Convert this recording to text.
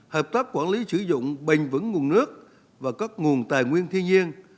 hợp tác quản lý sử dụng bình vững nguồn nước và các nguồn tài nguyên thiên nhiên